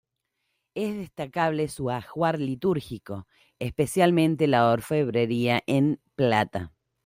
Es destacable su ajuar litúrgico, especialmente la orfebrería en plata.